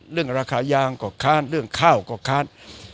เรื่องราคายางก็ค้านเรื่องข้าวก็ค้าน